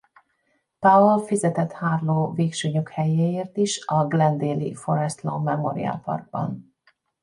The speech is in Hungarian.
Powell fizetett Harlow végső nyughelyéért is a glendale-i Forest Lawn Memorial Parkban.